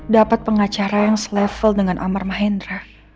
dapat pengacara yang se level dengan amar mahendra